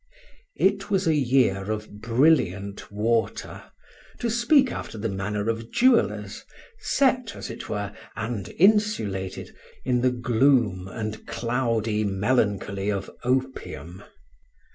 It was a year of brilliant water (to speak after the manner of jewellers), set as it were, and insulated, in the gloom and cloudy melancholy of opium.